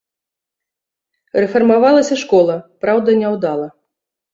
Рэфармавалася школа, праўда няўдала.